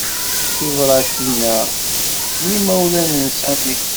Tibṛatin-a n yimawlan n Sami.